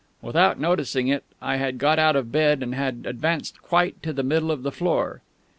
Without noticing it, I had got out of bed, and had advanced quite to the middle of the floor.